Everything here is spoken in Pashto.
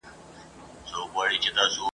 که قلم نه وای؛ نو علم به هم نه وای خپور سوی.